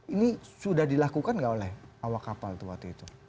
ini sudah dilakukan nggak oleh awak kapal itu waktu itu